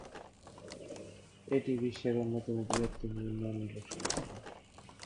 এটি বিশ্বের অন্যতম বৃহত্তর উন্নয়নমূলক সংস্থা।